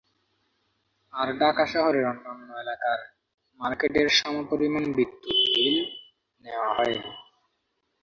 আর ঢাকা শহরের অন্যান্য এলাকার মার্কেটের সমপরিমাণ বিদ্যুৎ বিল নেওয়া হয়।